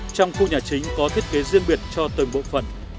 trong khu nhà chính có thiết kế riêng biệt cho từng bộ phần